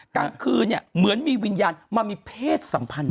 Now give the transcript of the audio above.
กลางคืนเหมือนมีวิญญาณมามีเพศสัมพันธ์